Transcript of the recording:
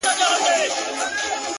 o او خبرو باندي سر سو؛